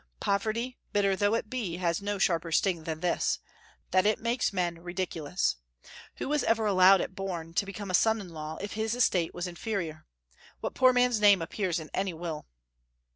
Poverty, bitter though it be, has no sharper sting than this, that it makes men ridiculous. Who was ever allowed at Borne to become a son in law, if his estate was inferior? What poor man's name appears in any will?"